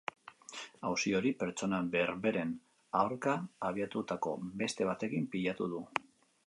Auzi hori pertsona berberen aurka abiatutako beste batekin pilatu du.